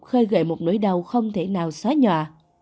khơi gợi một nỗi đau không thể nào xóa nhòa